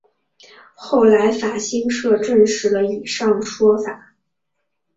后来法新社证实了以上说法。